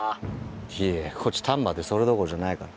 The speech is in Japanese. いやいやこっち丹波でそれどころじゃないから。